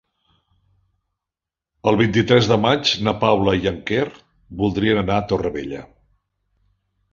El vint-i-tres de maig na Paula i en Quer voldrien anar a Torrevella.